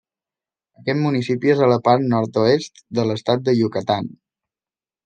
Aquest municipi és a la part nord-oest de l'estat de Yucatán.